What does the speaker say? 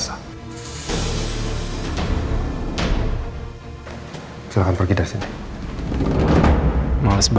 saya tidak akan mengizinkan anda ketemu dengan istri saya